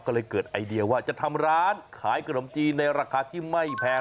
ก็เลยเกิดไอเดียว่าจะทำร้านขายขนมจีนในราคาที่ไม่แพง